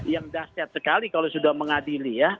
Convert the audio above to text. yang dahsyat sekali kalau sudah mengadili ya